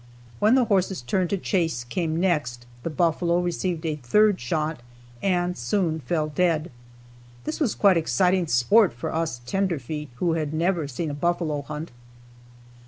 When the horse's turn to chase came next, the buffalo received a third shot and soon fell dead. This was quite exciting sport for us "tenderfeet" who had never seen a buffalo hunt.